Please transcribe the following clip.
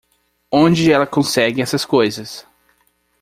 Onde ela consegue essas coisas?